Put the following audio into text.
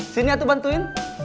sini atu bantuin